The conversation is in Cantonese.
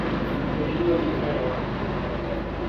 我煮個麵俾你好唔好？